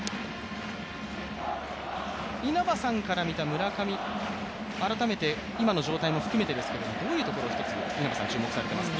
稲葉さんから見た村上、改めて今の状態も含めてですけど、どういうところを注目されていますか？